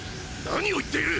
何を言っている！